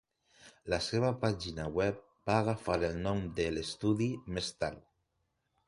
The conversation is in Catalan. La seva pàgina web va agafar el nom de l"estudi més tard.